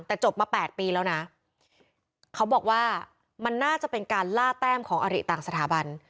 แต่จบมา๘ปีแล้วนะเขาบอกว่ามันน่าจะเป็นการล่าแต้มของอริต่างสถาบัน